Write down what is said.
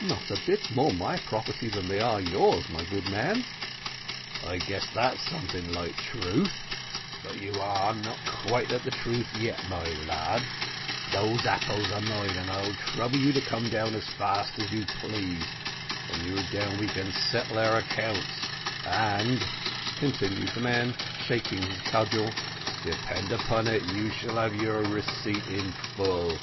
"Not a bit more my property than they are yours, my good man." "I guess that's something like the truth; but you are not quite at the truth yet, my lad; those apples are mine, and I'll trouble you to come down as fast as you please; when you're down we can then settle our accounts; and," continued the man, shaking his cudgel, "depend upon it you shall have your receipt in full."